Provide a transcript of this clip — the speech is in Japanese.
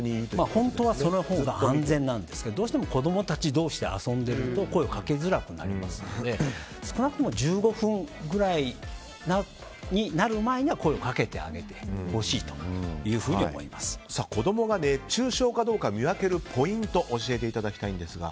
本当はそのほうが安全なんですけど、どうしても子供たち同士で遊んでいると声をかけづらくなりますので少なくとも１５分ぐらいになる前には声をかけてあげてほしい子供が熱中症かどうか見分けるポイント教えていただきたいんですが。